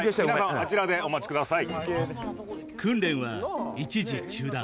あちらでお待ちください。